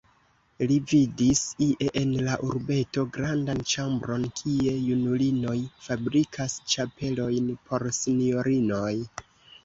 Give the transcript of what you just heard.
Li vidis ie en la urbeto grandan ĉambron, kie junulinoj fabrikas ĉapelojn por sinjorinoj.